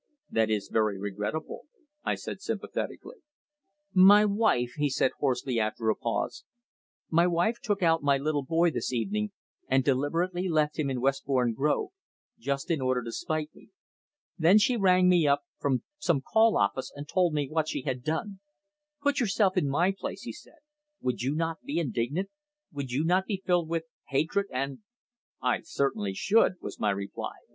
"That is very regrettable," I said sympathetically. "My wife," he said hoarsely after a pause, "my wife took out my little boy this evening and deliberately left him in Westbourne Grove just in order to spite me! Then she rang me up from some call office and told me what she had done. Put yourself in my place," he said. "Would you not be indignant? Would you not be filled with hatred and " "I certainly should," was my reply.